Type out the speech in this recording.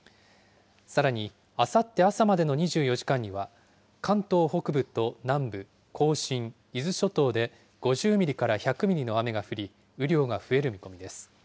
さらに、あさって朝までの２４時間には、関東北部と南部、甲信、伊豆諸島で５０ミリから１００ミリの雨が降り、雨量が増える見込みです。